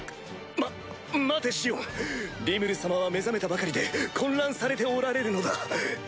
ま待てシオンリムル様は目覚めたばかりで混乱されておられるのだ。